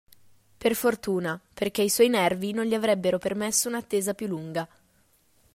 Per fortuna, perché i suoi nervi non gli avrebbero permesso un'attesa più lunga.